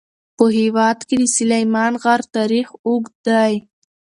په هېواد کې د سلیمان غر تاریخ اوږد دی.